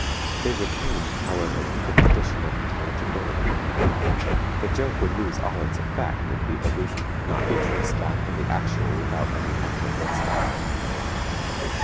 They retain, however, the condition of intelligibility; the joke would lose all its effect if the allusion could not be traced back to the actual without any effort whatsoever.